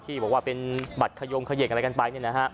ที่บอกว่าเป็นบัตรขยงเขย่งอะไรกันไป